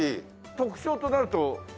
特徴となると？